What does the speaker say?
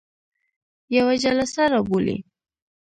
یوه جلسه را بولي.